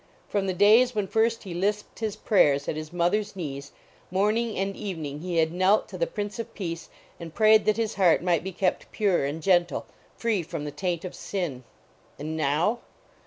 From the days when first he lisped his prayers at his mother s knees, morning and evening he had knelt to the Prince of Peace and prayed that his heart might be kept pure and gentle, free from the taint of sin. And now?